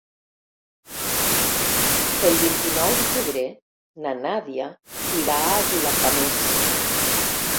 El vint-i-nou de febrer na Nàdia irà a Vilafamés.